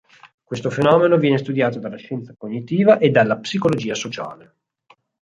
Questo fenomeno viene studiato dalla scienza cognitiva e dalla psicologia sociale.